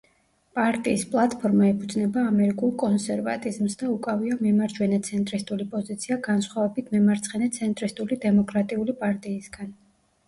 პარტიის პლატფორმა ეფუძნება ამერიკულ კონსერვატიზმს და უკავია მემარჯვენე–ცენტრისტული პოზიცია განსხვავებით მემარცხენე–ცენტრისტული დემოკრატიული პარტიისგან.